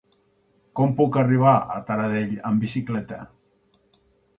Com puc arribar a Taradell amb bicicleta?